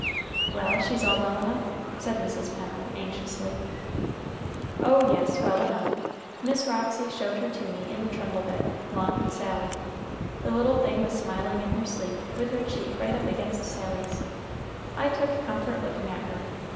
"Well, she's all well enough?" said Mrs. Pennel, anxiously. "Oh, yes, well enough. Miss Roxy showed her to me in the trundle bed, 'long with Sally. The little thing was lying smiling in her sleep, with her cheek right up against Sally's. I took comfort looking at her.